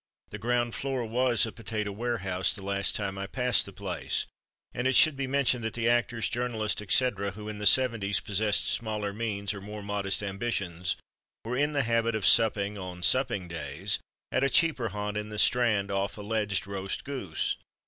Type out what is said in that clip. The ground floor was a potato warehouse the last time I passed the place. And it should be mentioned that the actors, journalists, etc., who, in the 'seventies, possessed smaller means, or more modest ambitions, were in the habit of supping on supping days at a cheaper haunt in the Strand, off (alleged) roast goose.